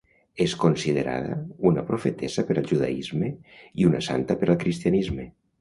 És considerada una profetessa per al judaisme i una santa per al cristianisme.